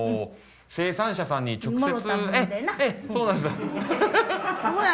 生産者さんに直接。